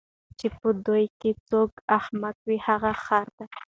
چی په دوی کی څوک احمق وي هغه خر دی